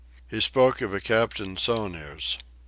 He spoke of a Captain Sonurs.